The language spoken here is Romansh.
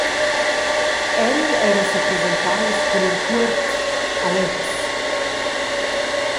El era sepresentaus cun in cuort: Alex!